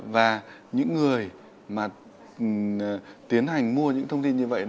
và những người mà tiến hành mua những thông tin như vậy